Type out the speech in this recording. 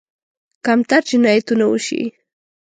کمتر جنایتونه وشي.